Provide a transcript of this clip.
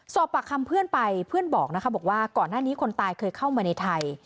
สอบปากคำเพื่อนไปเพื่อนบอกนะคะบอกว่าก่อนหน้านี้คนตายเคยเข้ามาในไทย